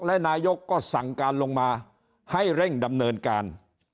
และนายกก็สั่งการลงมาให้เร่งดำเนินการ